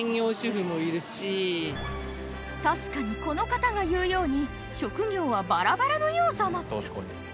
確かにこの方が言うように職業はバラバラのようザマス。